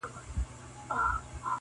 ویل یې زندګي خو بس په هجر تمامېږي -